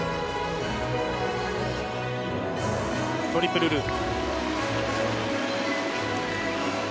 トリプルループ。